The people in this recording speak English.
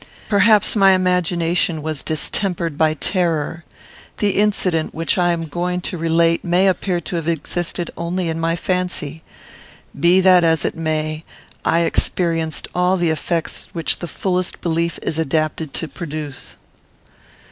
Perhaps my imagination was distempered by terror. The incident which I am going to relate may appear to have existed only in my fancy. Be that as it may, I experienced all the effects which the fullest belief is adapted to produce.